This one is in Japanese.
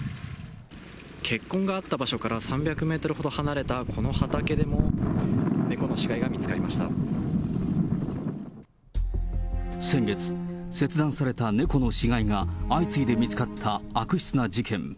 血痕があった場所から３００メートルほど離れたこの畑でも、猫の先月、切断された猫の死骸が相次いで見つかった悪質な事件。